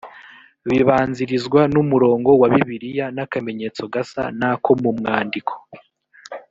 bibanzirizwa n umurongo wa bibiliya n akamenyetso gasa n ako mu mwandiko